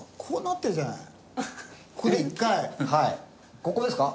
ここですか？